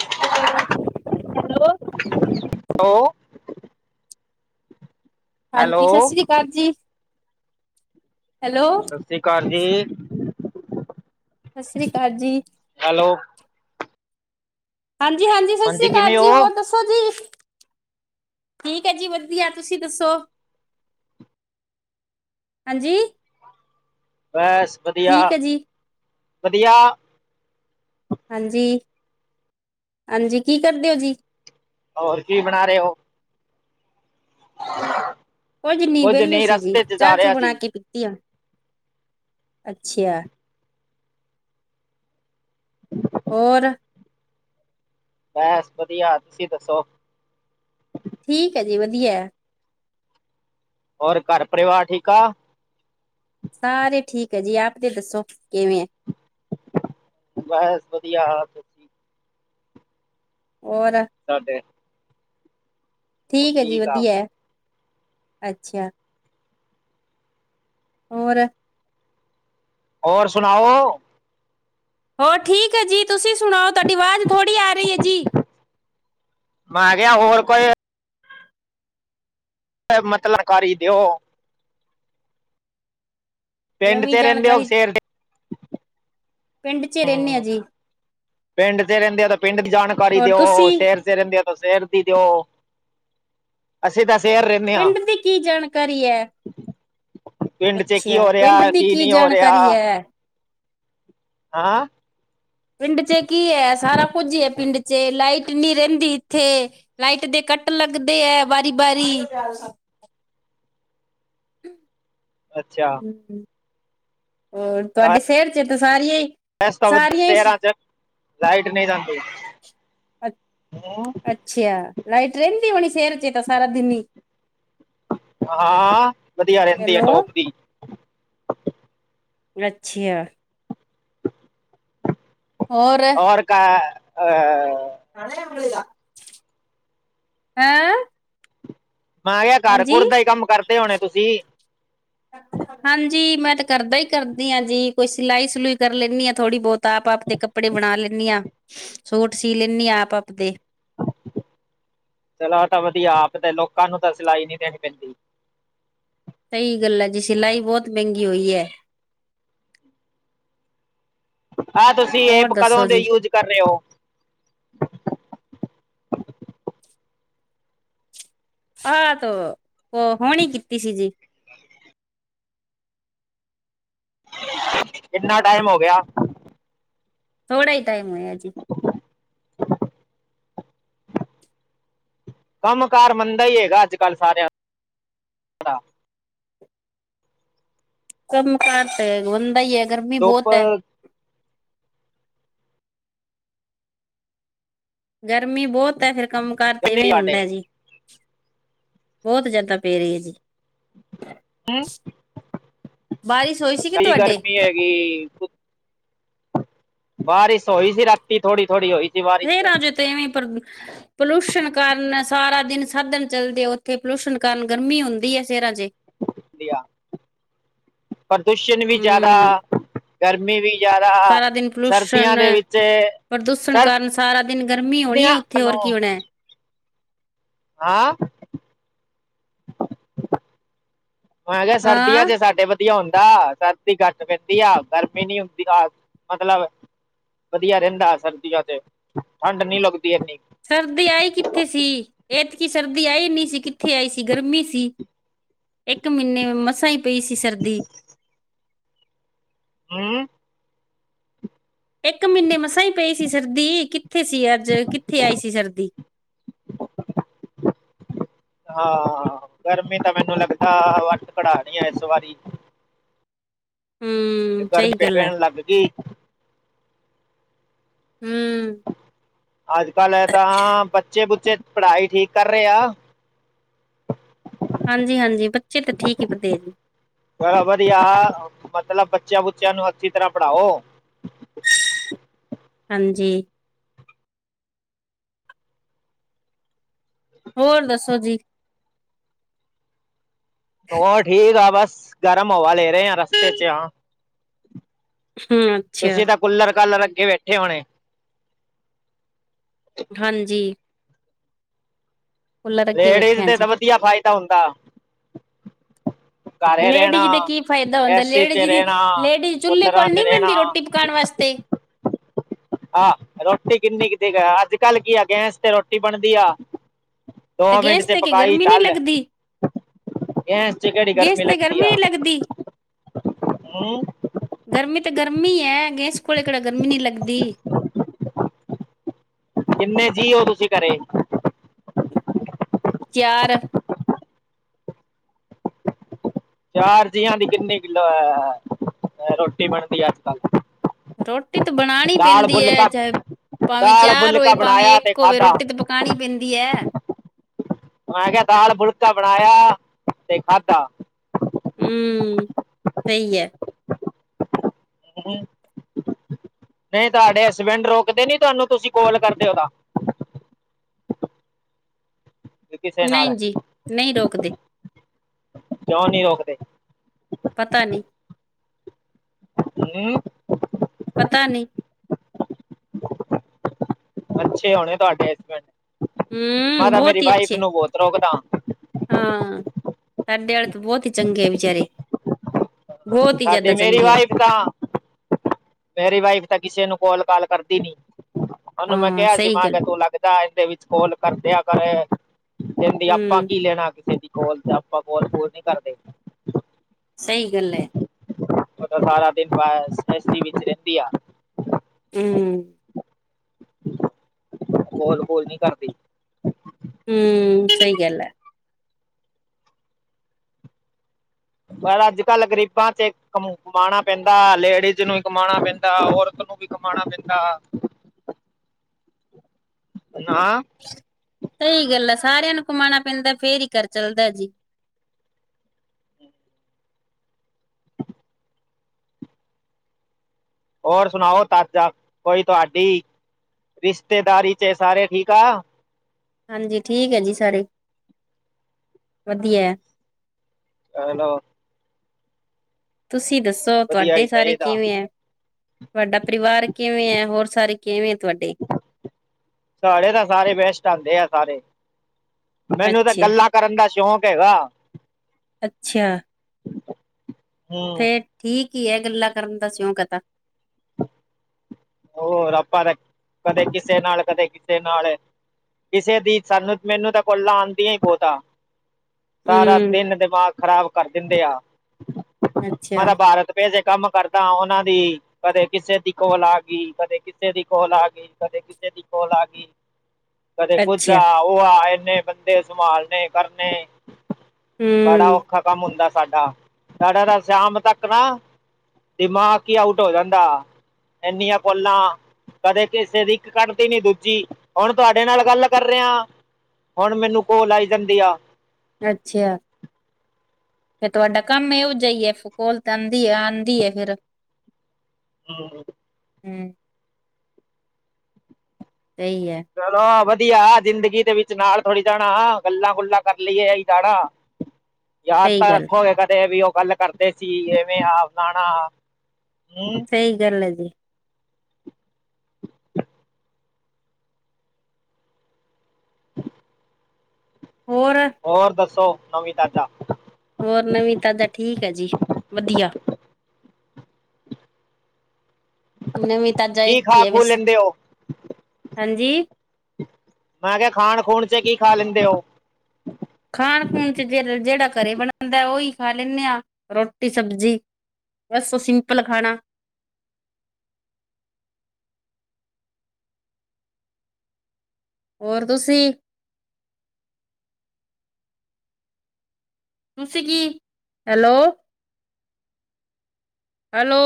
ਸਭ ਤੋਂ ਡਰਾਈਵਰ [unintelligible] ਨੌ ਹੈਲੋ ਹਾਂਜੀ ਸਤਿ ਸ਼੍ਰੀ ਅਕਾਲ ਜੀ ਹੈਲੋ ਸਤਿ ਸ਼੍ਰੀ ਅਕਾਲ ਜੀ ਸਤਿ ਸ਼੍ਰੀ ਅਕਾਲ ਜੀ ਹੈਲੋ ਹਾਂਜੀ-ਹਾਂਜੀ ਸਤਿ ਹਾਂਜੀ ਸ਼੍ਰੀ ਕਿਵੇਂ ਅਕਾਲ ਜੀ ਹੋ ਹੋਰ ਦੱਸ। ਉਠੋ ਜੀ ਠੀਕ ਹੈ ਜੀ ਵਧੀਆ ਤੁਸੀਂ ਦੱਸੋ? ਹਾਂਜੀ ਬਸ ਠੀਕ ਹੈ ਜੀ ਵਧੀਆ-ਵਧੀਆ ਹਾਂਜੀ, ਹਾਂਜੀ ਕੀ ਕਰਦੇ ਹੋ ਜੀ? ਔਰ ਕੀ ਬਣਾ ਰਹੇ ਹੋ? ਕੁੱਝ ਨੀ ਵਿਹਲੇ ਨਹੀਂ ਸੀ ਜੀ ਰਸਤੇ ਚ ਚਾਹ ਜਾ ਚੂ ਰਿਹਾ ਸੀ ਬਣਾ ਕੇ ਪੀਤੀ ਆਂ, ਅੱਛਾ ਹੋਰ ਬਸ ਵਧੀਆ ਤੁਸੀਂ ਦੱਸੋ? ਠੀਕ ਐ ਜੀ ਵਧੀਆ ਐ। ਹੋਰ ਘਰ-ਪਰਿਵਾਰ ਠੀਕ ਆ। ਸਾਰੇ ਠੀਕ ਐ ਜੀ ਆਪ ਦੇ ਦੱਸੋ ਕਿਵੇਂ ਆ ਬਸ ਵਧੀਆ ਹੋਰ ਸਾਡੇ- ਹੋਰ ਠੀਕ ਏ ਜੀ ਆ ਵਧੀਆ, ਅੱਛਾ। ਹੋਰ ਹੋਰ ਸੁਨਾਓ? ਹੋਰ ਠੀਕ ਐ ਜੀ, ਤੁਸੀਂ ਸੁਨਾਓ। ਤੁਆਡੀ ਵਾਜ ਥੋੜੀ ਆ ਰੀ ਐ ਜੀ। ਮੈਂ ਕੇਆ ਹੋਰ ਕੋਈ ਮਤਤਬ ਕਰ ਈ ਦਿਓ। ਪਿੰਡ ਚ ਨਵੀਂ ਰੈਂਦੇ ਓ ਜਾਣਕਾਰੀ ਸੇਰ ਤੇ ਪਿੰਡ 'ਚ ਰਹਿੰਦੇ ਆ ਹੂੰ, ਜੀ ਪੇਂਡ ਚ ਰੈਂਦੇ ਆ ਤਾਂ ਪੇਂਡ ਦੀ ਜਾਣਕਾਰੀ ਹੋਰ ਦਿਓ, ਤੁਸੀਂ ਸ਼ੈਰ ਚ ਰੈਂਦੇਓ ਤਾਂ ਸ਼ੈਰ ਦੀ ਦਿਓ। ਅਸੀ ਤਾਂ ਸੈਰ ਰੈਂਨੇ ਆ। ਪਿੰਡ ਦੀ ਕੀ ਜਾਣਕਾਰੀ ਹੈ ਪਿੰਡ ਚ ਕੀ ਅੱਛਾ ਹੋ ਰੇਆ, ਪਿੰਡ ਦੀ ਕੀ ਨਈਂ ਹੋ ਰੇਆ ਜਾਣਕਾਰੀ ਹੈ ਹਾਂ ਪਿੰਡ ਚ ਕੀ ਐ, ਸਾਰਾ ਕੁੱਝ ਐ ਪਿੰਡ ਚ ਲਾਈਟ ਨੀ ਰੈਂਦੀ ਇੱਥੇ ਲਾਈਟ ਦੇ ਕੱਟ ਲੱਗਦੇ ਐ ਵਾਰੀ-ਵਾਰੀ। ਅੱਛਾ ਹੂੰ, ਹੋਰ ਤੁਆਡੇ ਸ਼ੈਰ ਚ ਤਾਂ ਸਾਰੀਆਂ ਈਂ [unintelligible] ਲਾਈਟ ਨੀਂ ਰੈਂਦੀ। ਅ ਅੱਛਾ ਲਾਈਟ ਰੈਂਦੀ ਹੋਣੀ ਸ਼ੈਰ ਚ ਤਾਂ ਸਾਰਾ ਦਿਨ ਈਂ। ਹਾਂ, ਵਧੀਆ ਰੈਂਦੀ ਆ ਹੈਲੋ ਟੋਪ ਦੀ ਅੱਛਾ। ਹੋਰ ਔਰ ਕਾ ਅ [unintelligible] ਹੈਂ ਮੈਂ ਕੇਆ ਹਾਂਜੀ ਘਰ-ਘੁਰ ਦਾ ਈ ਕੰਮ ਕਰਦੇ ਹੋਣੇ ਤੁਸੀਂ? [inaudible] ਹਾਂਜੀ, ਮੈਂ ਤਾਂ ਘਰ ਦਾ ਈਂ ਕਰਦੀ ਆਂ ਜੀ, ਕੋਈ ਸਿਲਾਈ-ਸਲੂਈ ਕਰ ਲੈਂਨੀ ਆ। ਥੋੜ੍ਹੀ ਬੋਤਾ ਆਪ-ਆਪ ਦੇ ਕੱਪੜੇ ਕੱਪੜੇ ਬਣਾ ਲੈਂਨੀ ਆ। ਸੂਟ ਸੀ ਲੈਂਨੀ ਆ ਆਪ-ਆਪਦੇ। ਚਲੋ ਆ ਤਾਂ ਵਧੀਆ, ਆਪ ਤੇ ਲੋਕਾਂ ਨੂੰ ਤਾਂ ਸਿਲਾਈ ਨਈਂ ਦੇਣੀ ਪੈਂਦੀ। ਸਈ ਗੱਲਾ ਐ, ਸੀਲਾਈ ਬੋਤ ਮੈਂਗੀ ਹੋਈ ਐ। ਐ ਤੁਸੀਂ ਹੋਰ ਐਪ ਕਦੋ ਦੱਸੋ ਦੇ ਜੀ ਯੂਜ ਕਰ ਰੇਓ? ਆਹ ਤੋਂ ਹੋਣ ਈ ਕੀਤੀ ਸੀ ਜੀ। [inaudible] ਕਿੰਨਾ ਟਾਈਮ ਹੋ ਗਿਆ? ਥੋੜਾ ਈ ਟਾਈਮ ਹੋਯਾ ਜੀ। [inaudible] ਕੰਮ-ਕਾਰ ਮੰਦਾ ਈਂ ਹੈਗਾ ਅੱਜ-ਕੱਲ ਸਾਰਿਆਂ ਦਾ ਕੰਮ ਕਾਰ ਤੇ ਮੰਦਾ ਇਐ, ਗਰਮੀ ਧੁੱਪ ਬੋਤ ਐ। ਗਰਮੀ ਬੋਤ ਐ, ਫੇਰ ਕੰਮ ਕਾਰ ਤੇ ਕਿੰਨੀ ਇਵੇਂ ਸਾਡੇ ਹੁੰਦਾ ਜੀ। ਬੋਟ ਜਿਆਦਾ ਪੇ ਰਿਐ ਜੀ। ਬਾਰਿਸ਼ ਹੋਈ ਸੀ ਕਿ ਸਈ ਤੁਹਾਡੇ ਗਰਮੀ ਹੈਗੀ। ਬਾਰਿਸ਼ ਹੋਈ ਸੀ ਰਾਤੀ ਥੋੜੀ-ਥੋੜੀ ਹੋਈ [unintelligible] ਰਾਜੇ ਤੇ ਪੋਲੂਸ਼ਨ ਕਾਰਨ, ਸਾਰਾ ਦਿਨ ਸਾਧਨ ਚੱਲਦੇ ਓਥੇ ਪੋਲੂਸ਼ਨਣ ਕਾਰਨ ਗਰਮੀ ਹੁੰਦੀ ਐ ਸ਼ੈਰਾਂ 'ਚ। ਪ੍ਰਦੂਸ਼ਣ ਵੀ ਜਾਦਾ, ਹੂੰ, ਗਰਮੀ ਵੀ ਜਾਦਾ, ਸਾਰਾ ਦਿਨ ਸਰਦੀਆਂ ਪੋਲੂਸ਼ਨ ਦੇ ਵਿੱਚ ਪ੍ਰਦੂਸ਼ਣ ਕਾਰਨ ਸਾਰਾ ਦਿਨ ਗਰਮੀ ਹੋਣੀ ਹੈ ਸਰਦੀਆਂ ਉੱਥੇ ਨੂੰ ਹੋਰ ਕੀ ਹੋਣਾ। ਹੈਂ। ਮ ਕਿਹਾ ਸਰਦੀਆਂ ਹਾਂ, ਚ ਸਾਡੇ ਬ- ਵਧੀਆ ਹੁੰਦਾ ਸਰਦੀ ਘੱਟ ਪੈਂਦੀ ਆ ਗਰਮੀ ਨੀ ਹੁੰਦੀ ਆ, ਮਤਲਬ। ਵਧੀਆ ਰਹਿੰਦਾ ਸਰਦੀਆਂ ਚ, ' ਠੰਡ ਨੀ ਲੱਗਦੀ ਇੰਨੀ। ਸਰਦੀ ਆਈ ਕਿੱਥੇ ਸੀ, ਇਹਤਕੀ ਸਰਦੀ ਆਈ ਨਹੀਂ ਸੀ ਕਿੱਥੇ ਆਈ ਸੀ ਗਰਮੀ ਸੀ। ਇੱਕ ਮਹੀਨੇ ਮਸਾਂ ਹੀ ਪਈ ਸੀ ਸਰਦੀ। ਹੂੰ। ਇੱਕ ਮਹੀਨੇ ਮਸਾਂ ਹੀ ਪਈ ਸੀ ਸਰਦੀ ਕਿੱਥੇ ਸੀ ਅੱਜ ਕਿੱਥੇ ਆਈ ਸੀ ਸਰਦੀ। ਹਾਂ ਗਰਮੀ ਤਾਂ ਮੈਨੂੰ ਲੱਗਦਾ ਵੱਟ ਕਢਾ ਰਹੀ ਆ ਇਸ ਵਾਰੀ। ਹੂੰ, ਸਹੀ ਗਰਮੀ ਗੱਲ ਬੇਟੇ ਹੈ ਨੂੰ ਲੱਗ ਗਈ। ਹੂੰ। ਅੱਜ ਕੱਲ ਹੈ ਤਾਂ ਬੱਚੇ- ਬੁੱਚੇ ਪੜਾਈ ਠੀਕ ਕਰ ਰਹੇ ਆ। ਹਾਂਜੀ- ਹਾਂਜੀ ਬੱਚੇ ਤਾਂ ਠੀਕ ਹੀ ਪੜਦੇ ਏ ਜੀ। ਬੜਾ ਵਧੀਆ ਮਤਲਬ ਬੱਚਿਆਂ- ਬੁਚਿਆ ਨੂੰ ਅੱਛੀ ਤਰਾਂ ਪੜਾਓ। ਹਾਂਜੀ। ਹੋਰ ਦੱਸੋ ਜੀ? ਉਹ ਠੀਕ ਆ ਬਸ ਗਰਮ ਹਵਾ ਲੇ ਰਹੇ ਆ ਰਸਤੇ ਚ ਹਾਂ। ਹੂੰ। ਅੱਛਾ ਤੁਸੀਂ ਤਾਂ ਕੂਲਰ- ਕਾਲਰ ਅੱਗੇ ਬੈਠੇ ਹੋਣੇ? ਹਾਂਜੀ। ਕੂਲਰ ਅੱਗੇ ਲੇਡੀਜ਼ ਬੈਠੇ ਆ ਦੇ ਜੀ। ਤਾਂ ਵਧੀਆ ਫਾਇਦਾ ਹੁੰਦਾ। ਘਰੇ ਲੇਡੀਜ਼ ਦੇ ਰਹਿਣਾ, ਕੀ ਫਾਇਦਾ ਹੁੰਦਾ ਏਸੀ ਚ ਲੇਡੀਜ਼ ਦੀ ਰਹਿਣਾ, ਲੇਡੀਜ਼ ਚੁੱਲ੍ਹੇ ਕੂਲਰਾਂ ਕੋਲ ਚ ਨਹੀਂ ਬਹਿੰਦੀ ਰਹਿਣਾ। ਰੋਟੀ ਪਕਾਉਣ ਹ ਵਾਸਤੇ [unintelligible] ਆਹ ਰੋਟੀ ਕਿੰਨੀ ਕੁ ਜੀ ਆ ਅੱਜ ਕੱਲ ਕੀ ਆ ਗੈਸ ਤੇ ਰੋਟੀ ਬਣਦੀ ਆ। ਤੇ ਦੋ ਮਿੰਟ ਗੈਸ ਚ ਤੇ ਕਿ ਪਕਾਾਈ ਗਰਮੀ ਨਹੀਂ ਚੱਲ, ਲੱਗਦੀ ਗੈਸ ਚ ਕਿਹੜੀ- ਗੈਸ ਤੇ ਲੱਗਦੀ ਗਰਮੀ ਆ ਨਹੀਂ ਲੱਗਦੀ। ਹੂੰ। ਗਰਮੀ ਤਾਂ ਗਰਮੀ ਹੈ ਗੈਸ ਕੋਲੇ ਕਿਹੜਾ ਗਰਮੀ ਨਹੀਂ ਲੱਗਦੀ। ਕਿੰਨੇ ਜੀਅ ਹੋ ਤੁਸੀਂ ਘਰੇ? ਚਾਰ। ਚਾਰ ਜੀਆਂ ਦੀ ਕਿੰਨੀ ਕਿ ਆ ਰੋ ਰੋਟੀ ਬਣਦੀ ਅੱਜ ਕੱਲ। ਰੋਟੀ ਤਾਂ ਬਣਾਉਣੀ ਦਾਲ ਪੈਂਦੀ ਐ ਫੁਲਕਾ ਚਾਹੇ ਭਾਵੇਂ ਦਾਲ ਚਾਰ ਹੋਵੇ ਫੁਲਕਾ ਭਾਵੇਂ ਬਣਾਇਆ ਤੇ ਇੱਕ ਹੋਵੇ ਖਾਧਾ ਰੋਟੀ ਤੇ ਪ - ਕਾੱਣੀ ਪੈਂਦੀ ਐ। ਮੈਂ ਕਿਹਾ ਦਾਲ ਫੁਲਕਾ ਬਣਾਇਆ ਤੇ ਖਾਧਾ। ਹੂੰ ਸਹੀ ਐ। ਹੂੰ ਨਹੀਂ ਤੁਹਾਡੇ ਹਸਬਿੰਡ ਰੋਕਦੇ ਨੀ ਤੁਹਾਨੂੰ ਤੁਸੀਂ ਕੋਲ ਕਰਦੇ ਓ ਤਾਂ। ਕਿਸੇ ਦੇ ਨਾਲ, ਨਹੀਂ ਜੀ ਨਹੀਂ ਰੋਕਦੇ ਕਿਉਂ ਨੀ ਰੋਕਦੇ? ਪਤਾ ਨੀਂ। ਹੂੰ। ਪਤਾ ਨੀ। ਅੱਛੇ ਹੋਣੇ ਤੁਹਾਡੇ ਹਸਬੈਂਡ, ਮੈਂ ਹੂੰ ਤਾਂ ਮੇਰੀ ਵਾਈਫ ਨੂੰ ਬੋਤ ਰੋਕਦਾ। ਹੂੰ ਸਾਡੇ ਵਾਲੇ ਤਾਂ ਬੋਤ ਹੀ ਚੰਗੇ ਆ ਵਿਚਾਰੇ। ਬੋਤ ਈ ਜ਼ਿਆਦਾ ਸਾਡੀ ਮੇਰੀ ਚੰਗੇ ਐ। ਵਾਈਫ ਤਾਂ ਮੇਰੀ ਵਾਈਫ ਤਾਂ ਕਿਸੇ ਨੂੰ ਕੋਲ-ਕਾਲ ਕਰਦੀ ਨੀ, ਉਨੂੰ ਮੈਂ ਹਾਂ ਕੇਆ ਸੀ, ਸਹੀ ਮਾਂ ਗੱਲ ਕੇ ਤੂੰ ਲੱਗ। ਰਾਜ ਦੇ ਵਿੱਚ ਕੋਲ ਕਰਦਿਆ ਕਰ, ਕੈਂਦੀ, ਛਆਪਾਂ ਹੂੰ ਕੀ ਲੈਨਾ ਕਿਸੇ ਦੀ? ਕੋਲ 'ਤੇ ਆਪਾਂ ਕੋਲ- ਕੂਲ ਨੀ ਕਰਦੇ। ਸਹੀ ਗੱਲ ਐ। ਉਹ ਸਾਰਾ ਦਿਨ ਬਸ, ਬੇਸਟੀ ਵਿੱਚ ਰੈਂਦੀ ਆ। ਊਂ। ਕੋਲ -ਕੂਲ ਨੀ ਕਰਦੀ। ਹੂੰ, ਸਹੀ ਗੱਲ ਐ। ਪਰ ਅੱਜ-ਕੱਲ ਗਰੀਬਾਂ 'ਚ ਕਮਾਣਾ ਪੈਂਦਾ, ਲੇਡੀਜ਼ ਨੂੰ ਕਮਾਣਾ ਪੈਂਦਾ, ਔਰਤ ਨੂੰ। ਵੀ ਕਮਾਣਾ ਪੈਂਦਾ। ਨਾਂ। ਸਹੀ ਗੱਲ ਆ, ਸਾਰਿਆਂ ਨੂੰ ਕਮਾਨਾ ਪੈਂਦਾ, ਫੇਰ ਈ ਘਰ ਚਲਦਾ ਜੀ। ਹੋਰ ਸਨਾਓ ਤਾਜਾ, ਕੋਈ ਤੁਹਾਡੀ, ਰਿਸ਼ਤੇਦਾਰੀ 'ਚ ਸਾਰੇ ਠੀਕ ਆ। ਹਾਂਜੀ, ਠੀਕ ਆ ਜੀ ਸਾਰੇ, ਵਦੀਐ। ਹੈਲੋ! ਤੁਸੀਂ ਦੱਸੋ, ਵਧੀਆ ਤੁਹਾਡੇ ਹੀ ਸਾਰੇ ਚਾਹੀਦਾ ਕਿਵੇਂ ਐ? ਤੁਹਾਡਾ ਪਰਿਵਾਰ ਕਿਵੇਂ ਐ? ਹੋਰ ਸਾਰੇ ਕਿਵੇਂ ਐ ਤੁਹਾਡੇ? ਸਾਰੇੇ ਦਾ ਸਾਰੇ ਬੈਸਟ ਆਦੇ ਆ ਸਾਰੇ, ਮੈਨੂੰ ਤਾਂ ਅੱਛਾ ਗੱਲਾਂ ਕਰਨ ਦਾ ਸ਼ੌਂਕ ਹੈਗਾ। ਅੱਛਾ। ਹਮ ਫੇਰ ਠੀਕ ਈ ਐ, ਗੱਲਾਂ ਕਰਨ ਦਾ ਸ਼ੌਕ ਹੈ ਤਾਂ। ਹੋਰ ਆਪਾ ਤਾਂ ਕਦੇ ਕਿਸੇ ਨਾਲ, ਕਦੇ ਕਿਸੇ ਨਾਲ। ਕਿਸੇ ਦੀ ਸਾਨੂੰ, ਮੈਨੂੰ ਤਾਂ ਕੋਲਾਂ ਆਦੀਆਂ ਈ ਬੋਤ ਆ। ਸਾਰਾ ਹੂੰ ਦਿਨ ਦਿਮਾਗ ਖ਼ਰਾਬ ਕਰ ਦਿੰਦੇ ਆ, ਅੱਛਾ ਮਰਾਭਾਰਤ! ਕਿਸੇ ਦੇ ਕੰਮ ਕਰਦਾ ਆ, ਉਨਾਂ ਦੀ, ਕਦੇ ਕਿਸੇ ਦੀ ਕੋੋਲ ਆ ਬੀ, ਕਦੇ ਕਿਸੇ ਦੀ ਕੋਲ ਆ ਗਈ, ਕਦੇ ਕਿਸੇ ਦੀ ਕੋਲ ਆ ਗਈ, ਕਦੇ ਕੁੱਝ ਅੱਛਾ ਆ। ਉਹ ਆਏ ਇੰਨੇ ਬੰਦੇ ਸੰਭਾਲਨੇ ਕਰਨੇ, ਹੂੰ। ਬੜਾ ਔਖਾ ਕੰਮ ਹੁੰਦਾ ਸਾਡਾ, ਸਾਡਾ ਤਾਂ ਸ਼ਾਮ ਤੱਕ ਨਾ ਦਿਮਾਗ ਈ ਆਊਟ ਹੋ ਜਾਂਦਾ। ਐੰਨੀਆਂ ਕੋਲਾਂ। ਕਦੇ ਕਿਸੇ ਦੀ ਇੱਕ ਕੱਟ ਤੀ ਨੀ ਦੂਜੀ, ਹੁਨ ਤੁਹਾਡੇ ਨਾਲ ਗੱਲ ਕਰ ਰੇਆ। ਹੁਨ ਮੈਨੂੰ ਕੋਲ ਆਈ ਜਾਂਦੀ ਆ। ਅੱਛਾ। ਫਿਰ ਤੁਹਾਡਾ ਕੰਮ ਇਓ ਜੇਆ ਈ ਆ? ਫਿਰ ਕੋਲ ਤੇ ਆਦੀ ਏ, ਆਦੀ ਏ ਫਿਰ। ਹੈਲੋ। ਹੂੰ। ਸਹੀ ਐ। ਚਲੋ ਵਦੀਆ, ਜ਼ਿੰਦਗੀ ਦੇ ਵਿੱਚ ਨਾਲ ਥੋੜੀ ਜਾਣਾ ਆ, ਗੱਲਾਂ- ਗੁਲਾਂ ਕਰ ਲਈਏ, ਅਸੀ ਜਾਣਾ। ਯਾਦ ਸਹੀ ਤਾਂ ਗੱਲ ਰੱਖੋਗੇ ਕਦੇ ਵੀ ਉਹ ਗੱਲ ਕਰਦੇ ਸੀ, ਐਵੇਂ ਆਪ ਆਣਾ, ਹੂੰ। ਸਹੀ ਗੱਲ ਐ ਜੀ। ਹੋਰ? ਹੋਰ ਦੱਸੋ, ਨਵੀਂ-ਤਾਜ਼ਾ? ਹੋਰ ਨਵੀਂ ਤਾਜ਼ਾ? ਠੀਕ ਐ ਜੀ, ਵਦੀਆ। ਨਵੀਂ-ਤਾਜਾ ਕੀ ਇੱਕ ਈ ਖਾ ਐ ਖੂ ਬਸ। ਲੈਂਦੇ ਹੋ ਹਾਂਜੀ ਮੈਂ ਕੇਆ ਖਾਨ ਖੂਣ ਚ ਕੀ ਖਾ ਲੈਂਦੇ ੳ? ਖਾਣ-ਖੂਣ ਚ ਜੇ ਜੇੜਾ ਘਰੇ ਬਣਨਦਾ ਓਹੀ ਖਾ ਲੈਂਦੇ ਆਂ ਰੋਟੀ ਸਬਜੀ। ਬਸ ੳ ਸਿੰਪਲ ਖਾਨਾ। ਹੋਰ ਤੁਸੀਂ? ਤੁਸੀ ਕੀ? Hello, hello